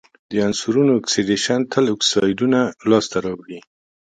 د عنصرونو اکسیدیشن تل اکسایدونه لاسته راوړي.